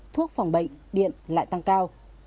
thuốc phòng bệnh điện lại tăng cao